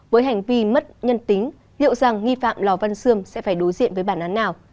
với hành vi mất nhân tính liệu rằng nghi phạm lò văn sươm sẽ phải đối diện với bản án nào